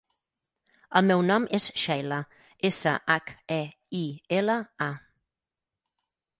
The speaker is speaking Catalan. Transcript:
El meu nom és Sheila: essa, hac, e, i, ela, a.